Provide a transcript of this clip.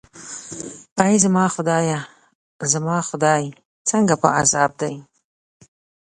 ای زما خدایه، زما خدای، څنګه په عذاب دی.